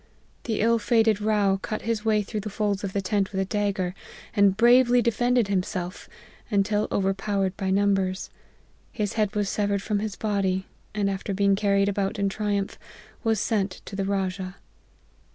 The ill fated Rao cut his way through the folds of the tent with a dagger, and bravely de fended himself until overpowered by numbers ; his head was severed from his body, and after being carried about in triumph, was sent to the Rajah.